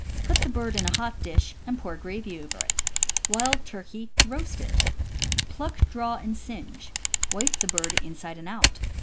Put the bird in a hot dish, and pour gravy over it. Wild Turkey, Roasted. — Pluck, draw, and singe. Wipe the bird inside and out.